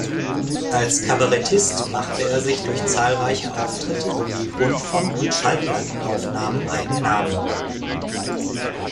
Als Kabarettist machte er sich durch zahlreiche Auftritte sowie Rundfunk- und Schallplattenaufnahmen einen Namen.